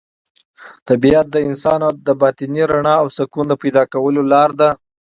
طبیعت د انسان د باطني رڼا او سکون د پیدا کولو لاره ده.